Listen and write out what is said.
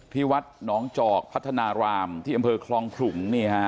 ที่วัดหนองจอกพัฒนารามที่อำเภอคลองขลุง